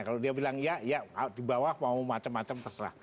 kalau dia bilang ya ya di bawah mau macam macam terserah